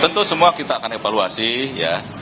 tentu semua kita akan evaluasi ya